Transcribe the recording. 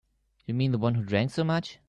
You mean the one who drank so much?